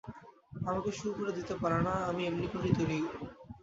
আমাকে সুখ ওরা দিতে পারে না আমি এমনি করেই তৈরি।